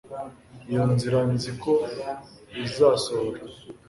Iyo nzira nzi ko izasohora